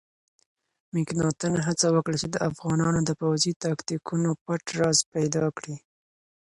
مکناتن هڅه وکړه چې د افغانانو د پوځي تاکتیکونو پټ راز پیدا کړي.